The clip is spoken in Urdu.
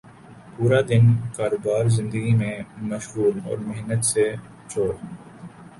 پورا دن کاروبار زندگی میں مشغول اور محنت سے چور